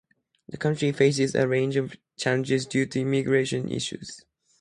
The county faces a range of challenges due to immigration issues.